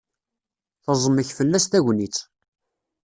Teẓmek fell-as tagnitt.